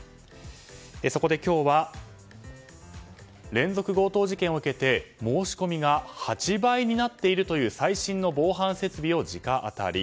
そこで今日は連続強盗事件を受けて申し込みが８倍になっているという最新の防犯設備を直アタリ。